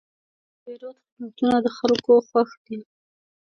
د پیرود خدمتونه د خلکو خوښ دي.